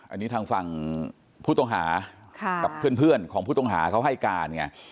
อันนี้ทางฝั่งผู้ต้องหากับเพื่อนของผู้ต้องหาเขาให้การไง